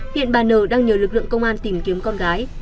hiện bà nở đang nhờ lực lượng công an tìm kiếm con gái